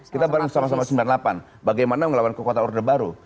kita baru sama sama sembilan puluh delapan bagaimana melawan kekuatan order baru